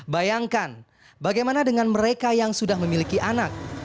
bayangkan bagaimana dengan mereka yang sudah memiliki anak